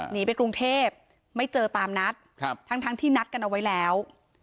หนีไปกรุงเทพไม่เจอตามนัดทั้งที่นัดกันเอาไว้แล้ว